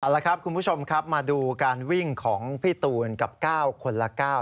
เอาละครับคุณผู้ชมครับมาดูการวิ่งของพี่ตูนกับ๙คนละ๙